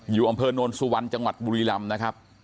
อยู่อำเภอโนนสุวรรณจังหวัดบุรีรำนะครับ